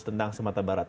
tentang semata barat